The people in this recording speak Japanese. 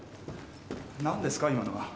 何ですか今のは？